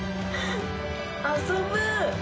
遊ぶ。